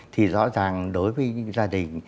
thì rõ ràng đối với gia đình